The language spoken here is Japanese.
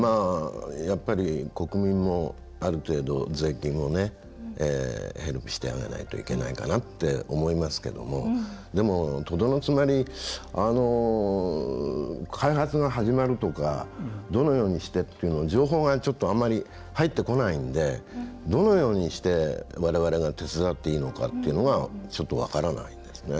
国民もある程度、税金をヘルプしてあげないといけないかなって思いますけどでも、とどのつまり開発が始まるとかどのようにしてっていうのを情報があんまり入ってこないのでどのようにして、われわれが手伝っていいのかっていうのがちょっと分からないですね。